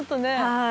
はい。